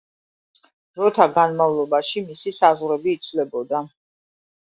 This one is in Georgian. დროთა განმავლობაში მისი საზღვრები იცვლებოდა.